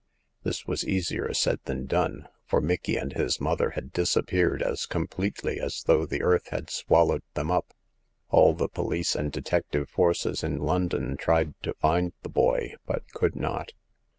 This was easier said than done, for Micky and his mother had disappeared as completely as 212 Hagar of the Pawn Shop. though the earth had swallowed them up. All the police and detective forces in London tried to find the boy, but could not.